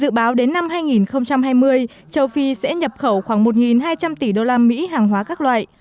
dự báo đến năm hai nghìn hai mươi châu phi sẽ nhập khẩu khoảng một hai trăm linh tỷ usd hàng hóa các loại